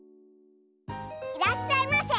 いらっしゃいませ。